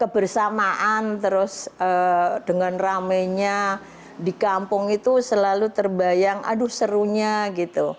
bersamaan terus dengan rame nya di kampung itu selalu terbayang aduh serunya gitu